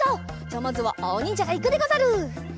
じゃあまずはあおにんじゃがいくでござる。